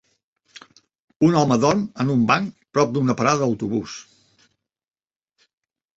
Un home dorm en un banc prop d'una parada d'autobús.